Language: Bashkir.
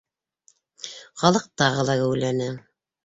Халыҡ тағы ла геүләне.